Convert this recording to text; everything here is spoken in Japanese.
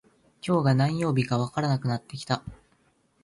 今日が何曜日かわからなくなってきた